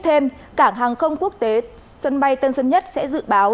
thêm cảng hàng không quốc tế sân bay tân sơn nhất sẽ dự báo